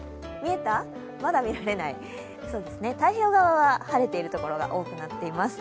まだ見られない、そうですね、太平洋側は晴れているところが多くなっています。